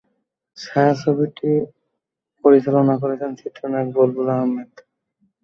ছায়াছবিটি পরিচালনা করেছেন চিত্রনায়ক বুলবুল আহমেদ।